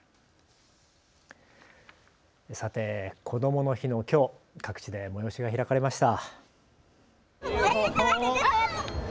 さてこどもの日のきょう各地で催しが開かれました。